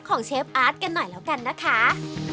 เชฟอาร์ตกันหน่อยแล้วกันนะคะ